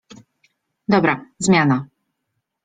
Dobra, zmiana